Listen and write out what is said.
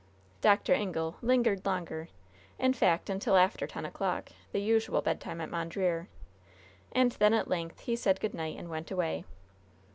Dr. Ingle lingered longer in fact, until after ten o'clock, the usual bedtime at Mondreer, and then at length he said good night and went away.